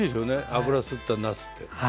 油吸ったなすって。